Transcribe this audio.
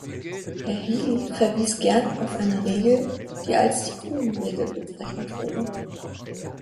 Herr Healey verwies gerne auf eine Regel, die als die Gruben-Regel bezeichnet wurde.